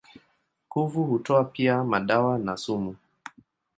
Kuvu hutoa pia madawa na sumu.